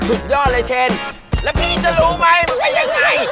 สุดยอดเลยเช่นแล้วพี่จะรู้ไหมมันว่ายังไง